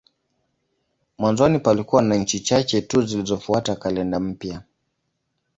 Mwanzoni palikuwa na nchi chache tu zilizofuata kalenda mpya.